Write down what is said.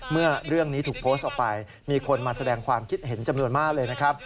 เมื่อเรื่องนี้ถูกโพสต์ออกไปมีคนมาแสดงความคิดเห็นจำนวนมากเลยนะครับ